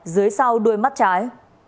dưới sau đuôi mắt trái